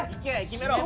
決めろ！